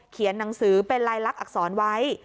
หนังสือเป็นลายลักษณอักษรไว้